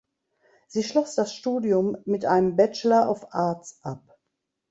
Sie schloss das Studium mit einem Bachelor of Arts ab.